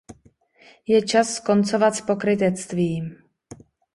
Je čas skoncovat s pokrytectvím.